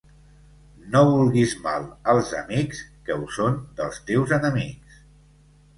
No vulguis mal als amics que ho són dels teus enemics.